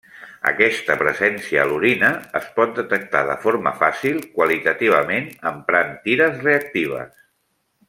Aquesta presència a l'orina es pot detectar de forma fàcil qualitativament emprant tires reactives.